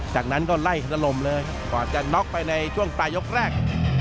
จากนั้นก็ไล่สนรมเลยครับก่อนจะน็อกไปในช่วงปลายกลุ่มแรก